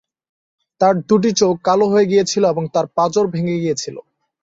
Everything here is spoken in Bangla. তার দুটি চোখ কালো হয়ে গিয়েছিল এবং তার পাঁজর ভেঙে গিয়েছিল।